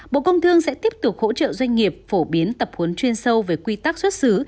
bộ công thương sẽ tiếp tục hỗ trợ doanh nghiệp phổ biến tập huấn chuyên sâu về quy tắc xuất xứ